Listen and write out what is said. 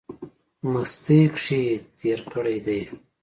مستۍ کښې تېر کړی دی۔